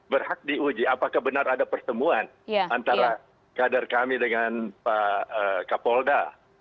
berhak diuji apakah benar ada pertemuan antara kader kami dengan pak kapolda